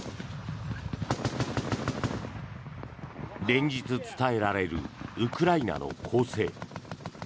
連日、伝えられるウクライナの攻勢。